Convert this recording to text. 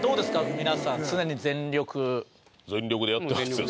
皆さん常に全力全力でやってますよ